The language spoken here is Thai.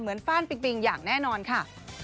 เหมือนฟาดปิงปิงอย่างแน่นอนค่ะ